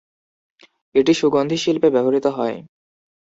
এটি সুগন্ধি শিল্পে ব্যবহৃত হয়।